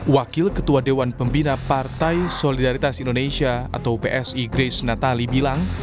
wakil ketua dewan pembina partai solidaritas indonesia atau psi grace natali bilang